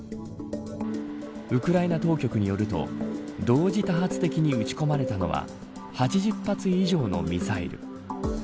ウクライナ当局によると同時多発的に撃ち込まれたのは８０発以上のミサイル。